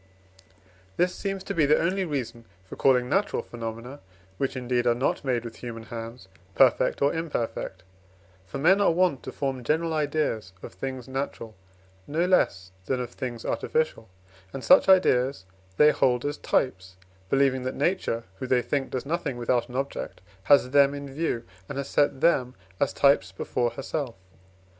This seems to be the only reason for calling natural phenomena, which, indeed, are not made with human hands, perfect or imperfect: for men are wont to form general ideas of things natural, no less than of things artificial, and such ideas they hold as types, believing that Nature (who they think does nothing without an object) has them in view, and has set them as types before herself.